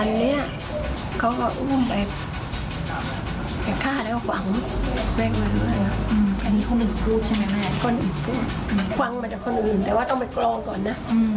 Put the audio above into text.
ขวังมาจากคนอื่นแต่ว่าต้องไปกรองก่อนนะ